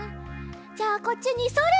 じゃあこっちにそれ！